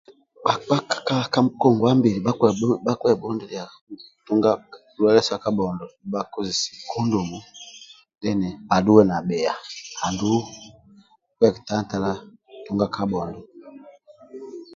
Bakpa ndi bha ka ngongwambili bakwebundilya ndwali sya kabhondo bakozese condom then bhadhuwe nabhiya